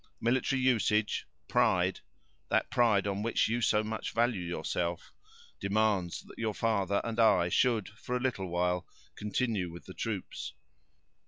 Military usage—pride—that pride on which you so much value yourself, demands that your father and I should for a little while continue with the troops.